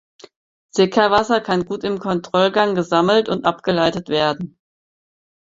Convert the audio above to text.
Sickerwasser kann gut im Kontrollgang gesammelt und abgeleitet werden.